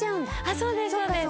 そうですそうです。